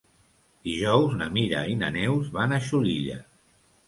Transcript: Dijous na Mira i na Neus van a Xulilla.